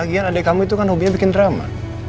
lagian adek kamu itu kan hobinya bikin drama